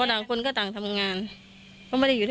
ใช่ค่ะส่วนตัวหนูนะหนูไม่เชื่อ